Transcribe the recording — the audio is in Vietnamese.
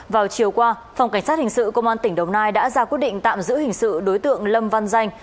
vào chiều qua phòng cảnh sát hình sự công an tỉnh đồng nai đã ra quyết định tạm giữ hình sự đối tượng lâm văn danh